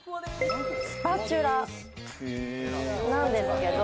スパチュラなんですけれども。